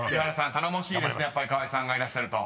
頼もしいですね川合さんがいらっしゃると］